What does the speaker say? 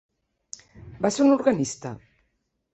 Va ser un organista.